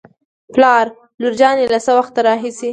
پلار : لور جانې له څه وخت راهېسې